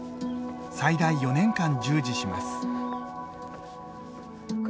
最大４年間従事します。